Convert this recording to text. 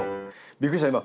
びっくりした今。